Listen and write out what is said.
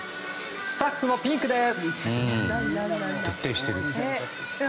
スタッフもピンクです。